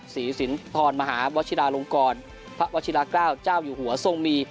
ศรีสินทรมหาวชิลาลงกรพระวชิลาเกล้าเจ้าอยู่หัวทรงมี